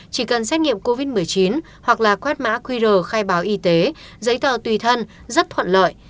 chỉ cần xét nghiệm covid một mươi chín hoặc là quét mã qr khai báo y tế giấy tờ tùy thân rất thuận lợi